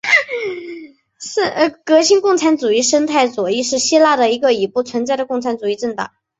革新共产主义生态左翼是希腊的一个已不存在的共产主义政党。